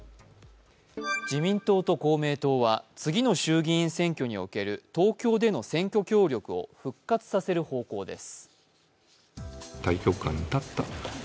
自民党と公明党は次の衆議院選挙における東京での選挙協力を復活させる方向です。